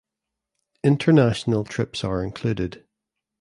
International trips are included.